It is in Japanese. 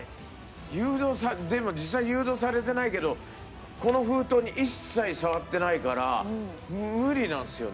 誘導でも実際誘導されてないけどこの封筒に一切触ってないから無理なんですよね。